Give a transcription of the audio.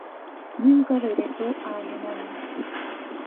Nunca regresó a Alemania.